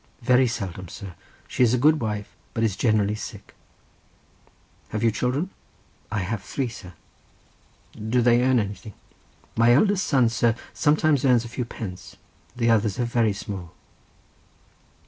"Very seldom, sir; she is a good wife, but is generally sick." "Have you children?" "I have three, sir." "Do they earn anything?" "My eldest son, sir, sometimes earns a few pence, the others are very small."